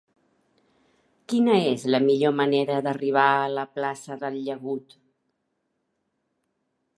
Quina és la millor manera d'arribar a la plaça del Llagut?